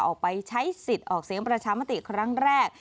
ออกไปใช้สิทธิ์ออกเสียงประชามติครั้งแรก